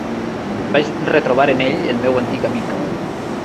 Vaig retrobar en ell el meu antic amic.